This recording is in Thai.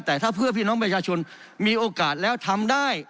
แต่ถ้าเพื่อพี่น้องประชาชนมีโอกาสแล้วทำได้